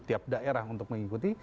tiap daerah untuk mengikuti